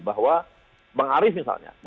bahwa bang arief misalnya